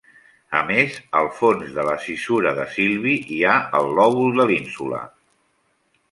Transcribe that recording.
A més, al fons de la cissura de Silvi hi ha el lòbul de l'ínsula.